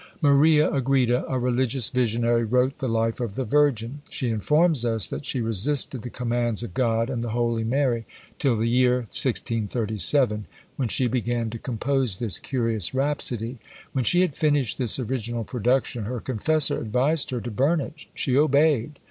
Maria Agreda, a religious visionary, wrote The Life of the Virgin. She informs us that she resisted the commands of God and the holy Mary till the year 1637, when she began to compose this curious rhapsody. When she had finished this original production, her confessor advised her to burn it; she obeyed.